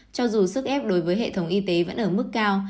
cho dù sức ép đối với hệ thống y tế vẫn ở mức cao